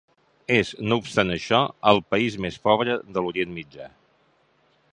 És, no obstant això, el país més pobre de l'Orient Mitjà.